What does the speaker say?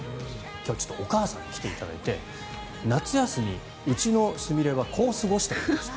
今日はちょっとお母さんに来ていただいて夏休み、うちのすみれはこう過ごしていました。